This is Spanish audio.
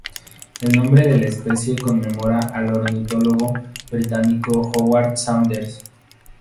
El nombre de la especie conmemora al ornitólogo británico Howard Saunders.